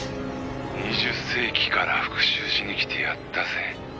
「２０世紀から復讐しに来てやったぜ。